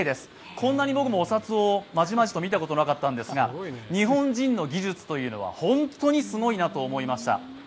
こんなに僕、お札をまじまじと見たことがなかったんですが日本人の技術というのは本当にすごいなと思いました。